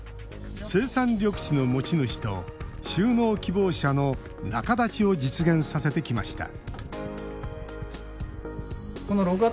生産緑地の持ち主と就農希望者の仲立ちを実現させてきました